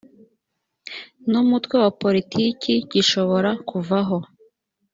n umutwe wa politiki gishobora kuvaho